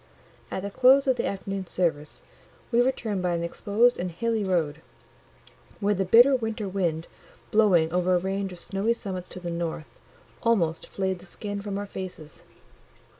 At the close of the afternoon service we returned by an exposed and hilly road, where the bitter winter wind, blowing over a range of snowy summits to the north, almost flayed the skin from our faces.